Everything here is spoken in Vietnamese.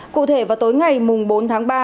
cụ thể vào tối ngày bốn tháng ba